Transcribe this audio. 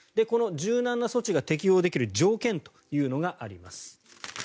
この柔軟な措置が適用できる条件というのがあります。